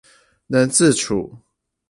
能自處